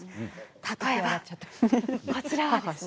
例えばこちらです。